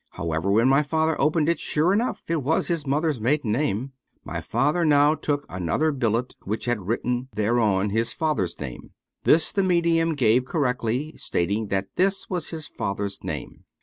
However, when my father opened it, sure enough it was his mother's maiden name. My father now took another billet which had written thereon his father's name. This the medium gave correctly, stating that this was his father's name.